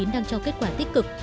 đang cho kết quả thế giới